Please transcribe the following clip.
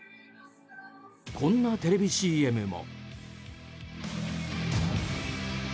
こんなテレビＣＭも。